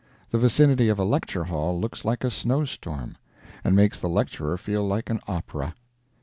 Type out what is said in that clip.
The vicinity of a lecture hall looks like a snowstorm, and makes the lecturer feel like an opera.